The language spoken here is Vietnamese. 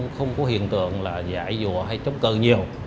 không có hiện tượng là giải dùa hay chống cơ nhiều